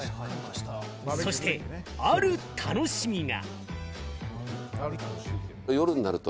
そしてある楽しみが。